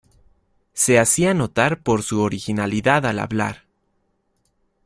Se hacía notar por su originalidad al hablar.